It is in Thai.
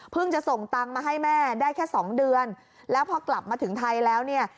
จะส่งตังค์มาให้แม่ได้แค่สองเดือนแล้วพอกลับมาถึงไทยแล้วเนี่ย